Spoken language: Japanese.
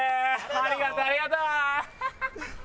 ありがとうありがとう！